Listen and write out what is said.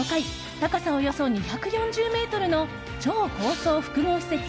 高さおよそ２４０ｍの超高層複合施設